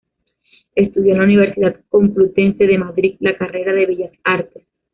Estudió en la Universidad Complutense de Madrid la carrera de Bellas Artes.